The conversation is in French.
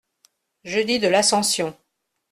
Jeudi de l’Ascension.